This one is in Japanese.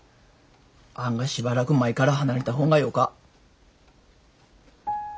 あがしばらく舞から離れた方がよか。